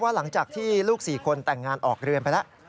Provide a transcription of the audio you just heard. หลังจากที่ลูก๔คนแต่งงานออกเรือนไปแล้ว